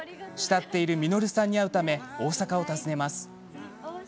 慕っている稔さんに会うため大阪を訪ねます。